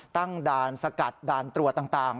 ตั้งด่านสกัดด่านตรวจต่าง